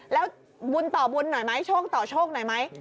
แล้วบุญต่อบุญหน่อยไหมโชคต่อโชคหน่อยไหม